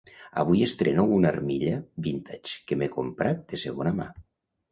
Avui estreno una armilla vintage que m'he comprat de segona mà